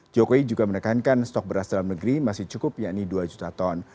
jokowi juga menekankan stok beras dalam negeri masih cukup yakni dua juta ton